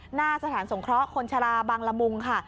หน้าสถานสงเคราะห์คนชะลาบางละมุงค่ะ